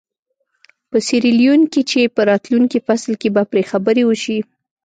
په سیریلیون کې چې په راتلونکي فصل کې به پرې خبرې وشي.